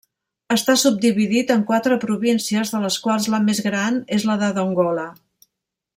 Està subdividit en quatre províncies de les quals la més gran és la de Dongola.